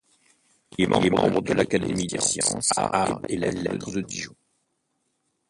Il est membre de l'Académie des Sciences, Arts et Belles-Lettres de Dijon.